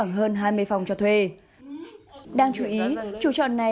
ngoài tiền không bao nhiêu ạ